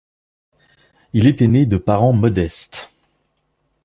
Il était né de parents modestes.